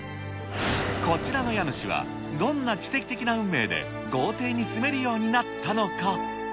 こちらの家主はどんな奇跡的な運命で豪邸に住めるようになったのか。